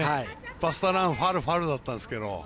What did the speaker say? バスターラン、ファウルファウルだったんですけど。